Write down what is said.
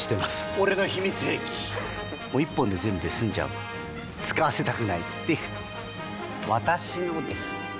俺の秘密兵器１本で全部済んじゃう使わせたくないっていう私のです！